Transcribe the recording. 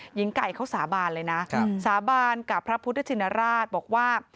หญิงไก่เขาสาบานเลยนะสาบานกับพระพุทธชินราชบอกว่า